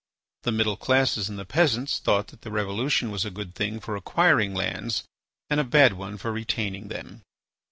The middle classes and the peasants thought that the revolution was a good thing for acquiring lands and a bad one for retaining them.